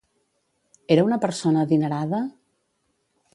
Era una persona adinerada?